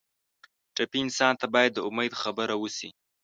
ټپي انسان ته باید د امید خبره وشي.